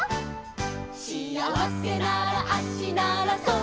「しあわせなら足ならそう」